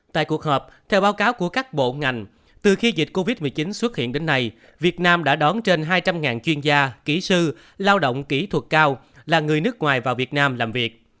tại cuộc họp theo báo cáo của các bộ ngành từ khi dịch covid một mươi chín xuất hiện đến nay việt nam đã đón trên hai trăm linh chuyên gia kỹ sư lao động kỹ thuật cao là người nước ngoài vào việt nam làm việc